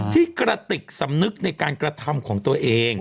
กระติกสำนึกในการกระทำของตัวเอง